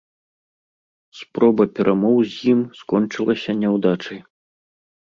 Спроба перамоў з ім скончылася няўдачай.